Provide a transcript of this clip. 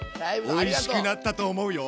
おいしくなったと思うよ。